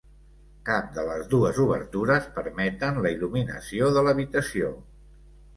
Cap de les dues obertures permeten la il·luminació de l'habitació.